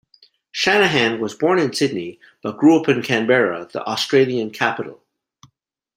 Shanahan was born in Sydney, but grew up in Canberra, the Australian Capital.